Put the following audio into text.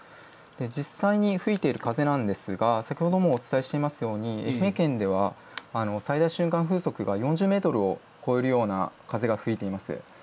実際に吹いている風ですが先ほどもお伝えしましたように愛媛県では最大瞬間風速が４０メートルを超えるような風が吹いています。